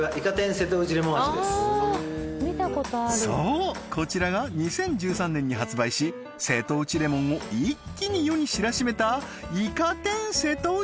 そうこちらが２０１３年に発売し瀬戸内レモンを一気に世に知らしめたイカ天瀬戸内